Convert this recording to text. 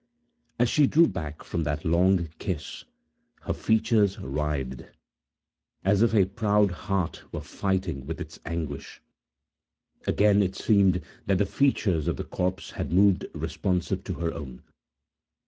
As she drew back from that long kiss, her features writhed, as if a proud heart were fighting with its anguish. Again it seemed that the features of the corpse had moved responsive to her own.